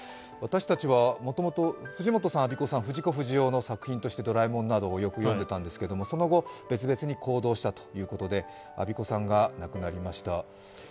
私たちはもともと安孫子さんの作品として「ドラえもん」などをよく読んでたんですけれどもその後、別々に行動したということで、安孫子さんが亡くなりました。